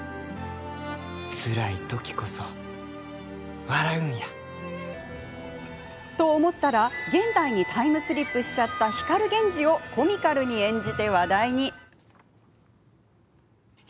つらいときこそ、笑うんや。と思ったら、現代にタイムスリップしちゃった光源氏をコミカルに演じて話題に。